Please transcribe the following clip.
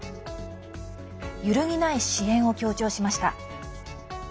揺るぎない支援を強調しました。